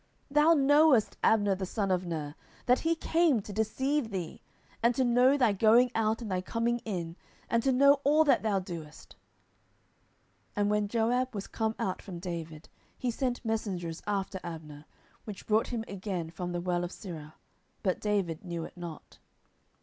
10:003:025 Thou knowest Abner the son of Ner, that he came to deceive thee, and to know thy going out and thy coming in, and to know all that thou doest. 10:003:026 And when Joab was come out from David, he sent messengers after Abner, which brought him again from the well of Sirah: but David knew it not.